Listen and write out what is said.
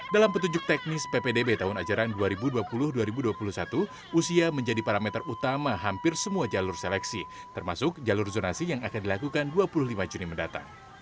dalam petunjuk teknis ppdb tahun ajaran dua ribu dua puluh dua ribu dua puluh satu usia menjadi parameter utama hampir semua jalur seleksi termasuk jalur zonasi yang akan dilakukan dua puluh lima juni mendatang